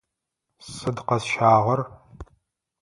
Сыд къэсщагъэр?